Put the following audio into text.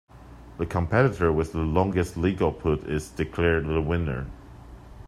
The competitor with the longest legal put is declared the winner.